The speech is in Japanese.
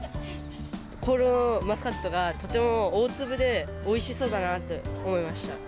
このマスカットが、とても大粒で、おいしそうだなと思いました。